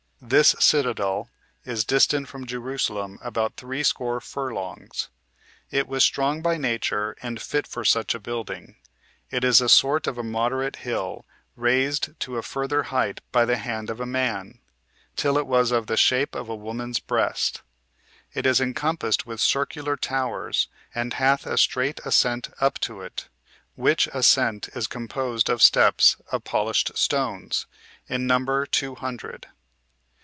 This citadel is distant from Jerusalem about threescore furlongs. It was strong by nature, and fit for such a building. It is a sort of a moderate hill, raised to a further height by the hand of man, till it was of the shape of a woman's breast. It is encompassed with circular towers, and hath a strait ascent up to it, which ascent is composed of steps of polished stones, in number two hundred.